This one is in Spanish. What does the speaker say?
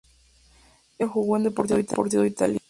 En Venezuela jugó en Deportivo Italia.